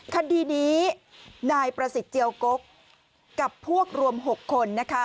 คดีนี้นายประสิทธิ์เจียวกกกับพวกรวม๖คนนะคะ